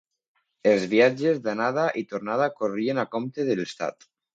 Els viatges d'anada i tornada corrien a compte de l'estat.